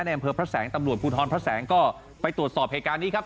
อำเภอพระแสงตำรวจภูทรพระแสงก็ไปตรวจสอบเหตุการณ์นี้ครับ